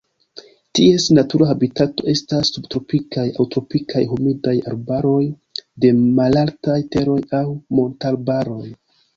Ties natura habitato estas subtropikaj aŭ tropikaj humidaj arbaroj de malaltaj teroj aŭ montarbaroj.